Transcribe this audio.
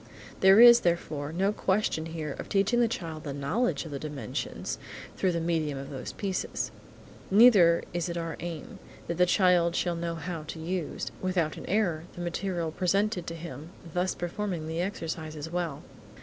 There is, therefore, no question here of teaching the child the knowledge of the dimensions, through the medium of these pieces. Neither is it our aim that the child shall know how to use, without an error, the material presented to him thus performing the exercises well.